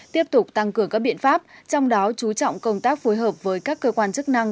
tiếp tục tăng cường các biện pháp trong đó chú trọng công tác phối hợp với các cơ quan chức năng